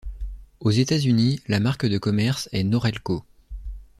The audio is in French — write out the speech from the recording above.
Aux États-Unis, la marque de commerce est Norelco.